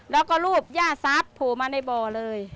แล้วก็รูปย่าทรัพย์โผล่มาในบ่อเลย